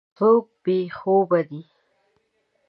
څوک بې خوبه دی.